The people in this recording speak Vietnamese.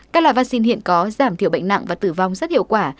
các loại vắc xin hiện có giảm thiểu bệnh nặng và tử vong rất hiệu quả